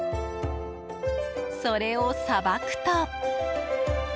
それをさばくと。